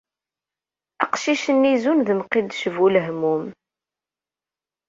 Aqcic-nni zun d Mqidec bu lehmum.